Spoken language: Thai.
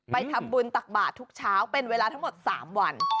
ไปทำบุญตักบาททุกเช้าเป็นเวลาทั้งหมด๓วัน